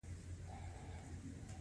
استاده ماده په څو حالتونو کې موندل کیږي